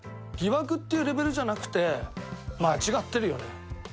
疑惑っていうレベルじゃなくて間違ってるよね。